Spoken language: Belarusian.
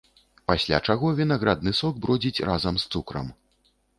Пасля чаго вінаградны сок бродзіць разам з цукрам.